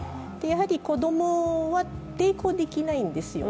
子供は抵抗できないんですよ。